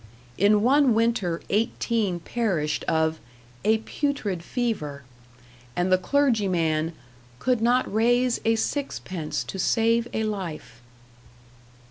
In one winter eighteen perished of "a putrid fever", and the clergyman "could not raise a six pence to save a life."